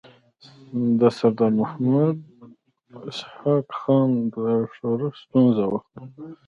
د سردار محمد اسحق خان د ښورښ ستونزه وه.